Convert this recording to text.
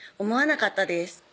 思わなかったです